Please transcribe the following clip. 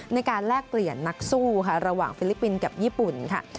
ในการแลกเปลี่ยนนักสู้ค่ะระหว่างฟิลิปปินส์กับญี่ปุ่นค่ะ